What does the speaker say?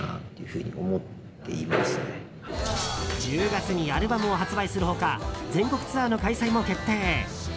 １０月にアルバムを発売する他全国ツアーの開催も決定。